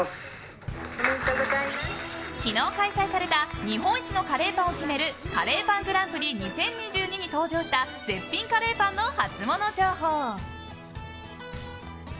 昨日、開催された日本一のカレーパンを決めるカレーパングランプリ２０２２に登場した絶品カレーパンのハツモノ情報。